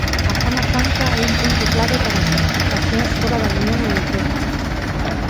A Zona Franca é un punto clave para as exportacións fóra da Unión Europea.